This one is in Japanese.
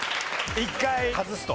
一回外すと。